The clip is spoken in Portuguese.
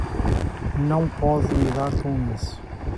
Não pode lidar com isso